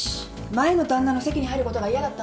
前の旦那の籍に入ることが嫌だったんでしょ。